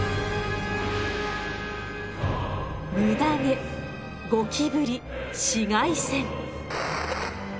ムダ毛ゴキブリ紫外線。